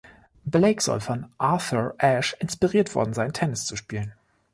Blake soll von Arthur Ashe inspiriert worden sein, Tennis zu spielen.